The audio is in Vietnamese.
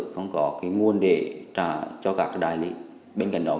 kênh huyện y cansai